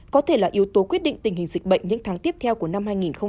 có thể là yếu tố quyết định tình hình dịch bệnh những tháng tiếp theo của năm hai nghìn hai mươi